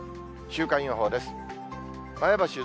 週間予報です。